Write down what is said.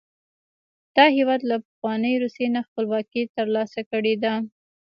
دا هېواد له پخوانۍ روسیې نه خپلواکي تر لاسه کړې ده.